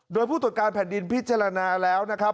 โดยผู้ตรวจการแผ่นดินพิจารณาแล้วนะครับ